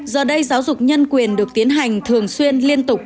giờ đây giáo dục nhân quyền được tiến hành thường xuyên liên tục